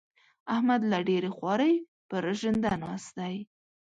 احمد له ډېرې خوارۍ؛ پر ژنده ناست دی.